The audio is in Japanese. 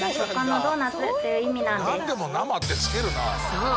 そう！